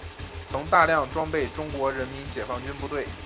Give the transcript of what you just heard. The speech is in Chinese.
曾大量装备中国人民解放军部队。